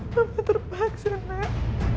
mama terpaksa enak